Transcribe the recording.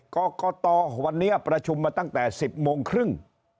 กรกตวันนี้ประชุมมาตั้งแต่๑๐โมงครึ่ง